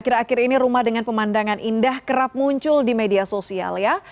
akhir akhir ini rumah dengan pemandangan indah kerap muncul di media sosial ya